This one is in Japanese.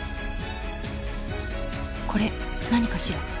これ何かしら？